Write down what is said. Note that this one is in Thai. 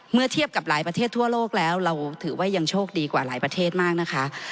เมื่อเทียบกับหลายประเทศทั่วโลกแล้วเราถือว่ายังโชคดีกว่าหลายประเทศมากนะคะ